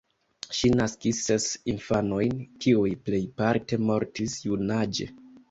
Ŝi naskis ses infanojn, kiuj plejparte mortis junaĝe.